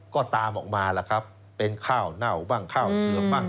ก็ตามออกมาล่ะครับเป็นข้าวเน่าบ้างข้าวเสื่อมบ้าง